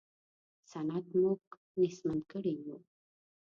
صنعت موږ نېستمن کړي یو.